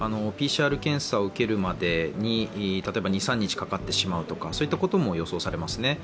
ＰＣＲ検査を受けるまでに２３日かかってしまうとかそういったことも予想されますね。